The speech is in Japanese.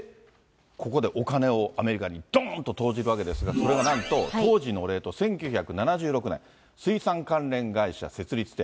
ここでお金をアメリカにどーんと投じるわけですが、それがなんと、当時のレート、１９７６年、水産関連会社設立。